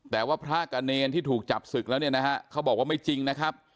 แต่ว่าพระกับเนรที่ถูกจับศึกแล้วเนี่ยนะฮะเขาบอกว่าไม่จริงนะครับ